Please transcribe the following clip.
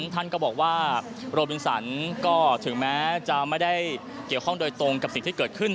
ท่านก็บอกว่าโรบินสันก็ถึงแม้จะไม่ได้เกี่ยวข้องโดยตรงกับสิ่งที่เกิดขึ้น